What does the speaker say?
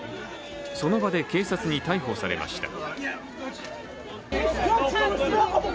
その場で警察に逮捕されました。